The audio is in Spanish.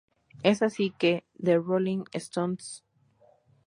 Es así que, "The Rolling Stones No.